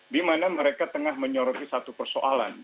di mana mereka tengah menyoroti satu persoalan